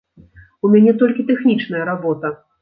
У мяне толькі тэхнічная работа.